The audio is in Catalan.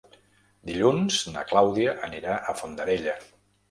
Dilluns na Clàudia anirà a Fondarella.